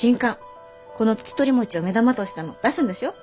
このツチトリモチを目玉としたの出すんでしょ？